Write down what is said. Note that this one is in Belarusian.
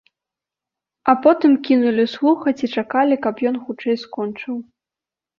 А потым кінулі слухаць і чакалі, каб ён хутчэй скончыў.